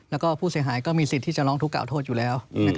แล้วก็ผู้เสียหายก็มีสิทธิ์ที่จะร้องทุกกล่าวโทษอยู่แล้ว